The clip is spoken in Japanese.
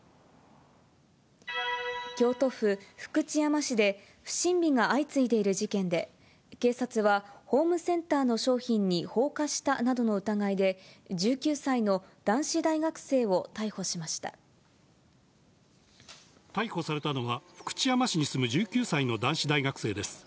京都府福知山市で、不審火が相次いでいる事件で、警察は、ホームセンターの商品に放火したなどの疑いで、１９歳の男子大学逮捕されたのは、福知山市に住む１９歳の男子大学生です。